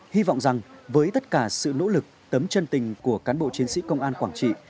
hy vọng rằng với tất cả sự nỗ lực tấm chân tình của cán bộ chiến sĩ công an quảng trị